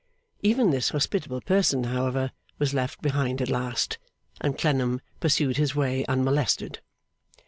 Even this hospitable person, however, was left behind at last, and Clennam pursued his way, unmolested.